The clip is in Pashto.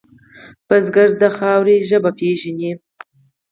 بزګر د خاورې ژبه پېژني